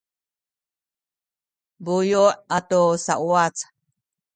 buyu’ atu sauwac